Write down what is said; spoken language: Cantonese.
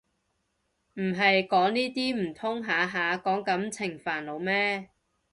唔係講呢啲唔通下下講感情煩惱咩